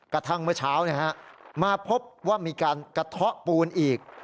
กระทั่งเมื่อเช้ามาพบว่ามีการกระเทาะปูนอีก